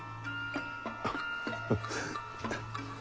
アハハハ。